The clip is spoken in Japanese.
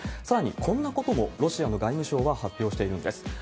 さらに、こんなこともロシアの外務省は発表しているんです。